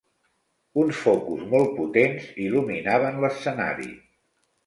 Uns focus molt potents il·luminaven l'escenari.